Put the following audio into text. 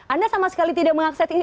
anda sama sekali tidak mengakses ini